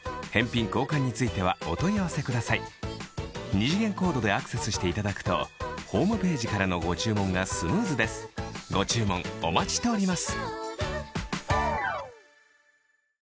二次元コードでアクセスしていただくとホームページからのご注文がスムーズですご注文お待ちしております